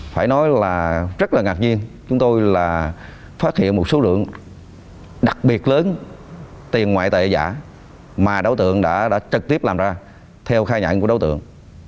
phải nói là rất là ngạc nhiên chúng tôi là phát hiện một số lượng đặc biệt lớn tiền ngoại tệ giả mà đối tượng đã trực tiếp làm ra theo khai nhận của đối tượng